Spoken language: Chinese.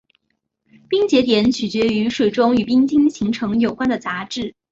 冻结点取决于水中与冰晶形成有关的杂质。